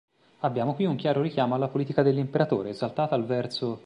Abbiamo qui un chiaro richiamo alla politica dell'imperatore, esaltata al v.